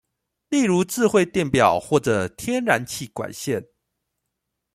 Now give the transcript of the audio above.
例如智慧電錶或者天然氣管線